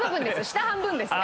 下半分です。